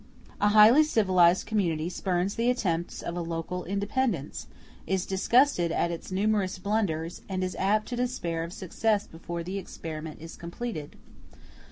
A highly civilized community spurns the attempts of a local independence, is disgusted at its numerous blunders, and is apt to despair of success before the experiment is completed.